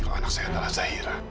kalau anak saya adalah zahira